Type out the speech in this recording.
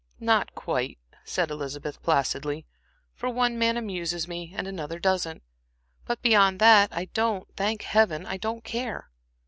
"Not quite," said Elizabeth, placidly, "for one man amuses me and another doesn't. But beyond that, I don't thank Heaven! I don't care."